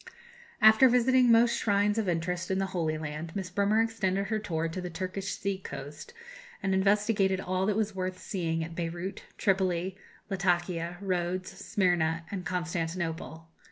After visiting most shrines of interest in the Holy Land, Miss Bremer extended her tour to the Turkish sea coast, and investigated all that was worth seeing at Beyrout, Tripoli, Latakia, Rhodes, Smyrna, and Constantinople.